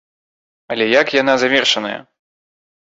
Але як яна завершаная?